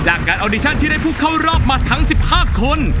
การออดิชั่นที่ได้ผู้เข้ารอบมาทั้ง๑๕คน